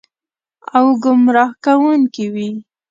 او ګمراه کوونکې وي.